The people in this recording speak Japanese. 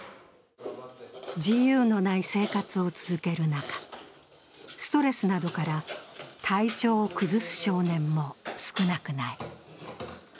自由のない生活を続ける中ストレスなどから体調を崩す少年も少なくない。